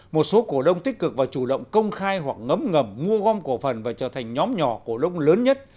một số cổ đông tích cực và chủ động công khai hoặc ngấm ngầm mua gom cổ phần và trở thành nhóm nhỏ cổ đông lớn nhất